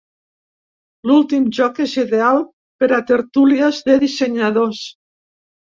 L'últim joc és ideal per a tertúlies de dissenyadors.